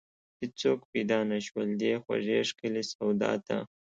هیڅوک پیدا نشول، دې خوږې ښکلې سودا ته